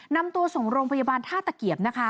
นำตัวส่งโรงพยาบาลธาตุเกียบ